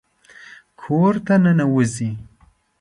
کور ته ننوځئ